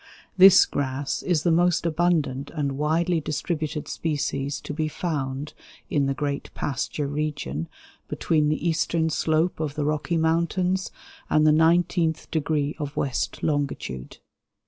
This grass is the most abundant and widely distributed species to be found in the great pasture region between the eastern slope of the Rocky Mountains and the nineteenth degree of west longitude.